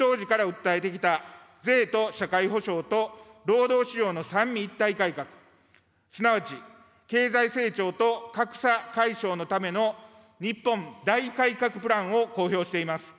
わが党は自公民の名ばかり改革ではなく、結党時から訴えてきた税と社会保障と労働市場の三位一体改革、すなわち経済成長と格差解消のための日本大改革プランを公表しています。